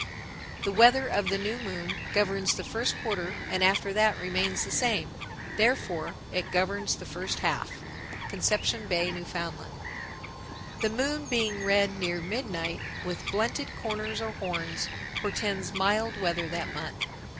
The weather of the new moon governs the first quarter and after that remains the same; therefore it governs the first half. Conception Bay, N.F. 1001. The moon being red near midnight, with blunted corners or horns, portends mild weather that month.